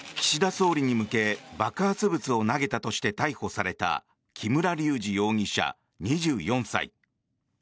総理に向け爆発物を投げたとして逮捕された木村隆二容疑者、２４歳。